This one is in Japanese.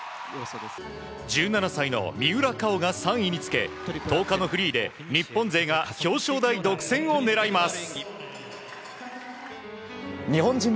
１７歳の三浦佳生が３位につけ１０日のフリーで日本勢が表彰台独占を狙います。